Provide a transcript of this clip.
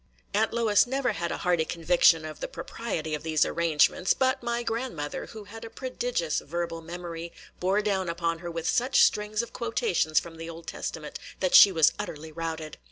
Aunt Lois never had a hearty conviction of the propriety of these arrangements; but my grandmother, who had a prodigious verbal memory, bore down upon her with such strings of quotations from the Old Testament that she was utterly routed.